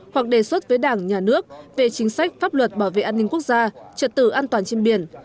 hoặc đề xuất với đảng nhà nước về chính sách pháp luật bảo vệ an ninh quốc gia trật tự an toàn trên biển